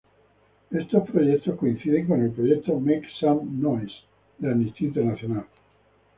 Este proyecto coincide con el proyecto "Make Some Noise" de Amnistía Internacional.